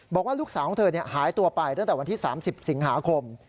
บอกว่าลูกสาวของเธอหายตัวไปตั้งแต่วันที่๓๐สิงหาคม